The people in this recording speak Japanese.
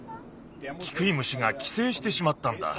キクイムシがきせいしてしまったんだ。